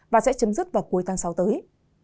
và sẽ chấm dứt vào cuối tháng sáu tới